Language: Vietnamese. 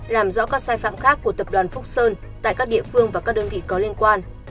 làm rõ các sai phạm khác của tập đoàn phúc sơn tại các địa phương và các đơn vị có liên quan